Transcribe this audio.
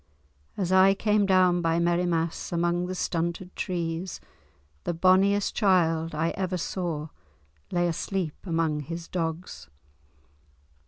As I came down by Merrimass among the stunted trees, the bonniest child I ever saw lay asleep among his dogs.